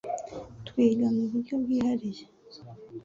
twiga mu buryo bwihariye.